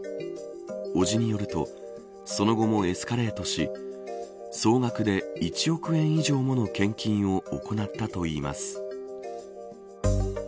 伯父によるとその後もエスカレートし総額で１億円以上もの献金を行ったといいます。